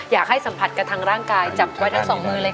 อยากให้สัมผัสกับทางร่างกายจับไว้ทั้งสองมือเลยค่ะ